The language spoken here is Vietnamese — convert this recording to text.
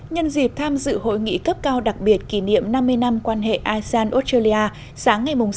nhân dịp tham dự hội nghị cấp cao đặc biệt kỷ niệm năm mươi năm quan hệ asean australia sáng ngày sáu